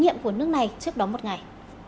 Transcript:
nhiệm của nước này trước đó một ngày